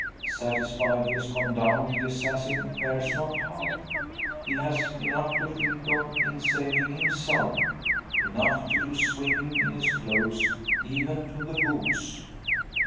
Satisfied he has gone down, the assassin cares not how. He has enough to think of in saving himself, enough to do swimming in his clothes, even to the boots.